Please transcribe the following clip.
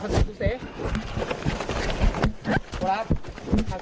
โอลาฟ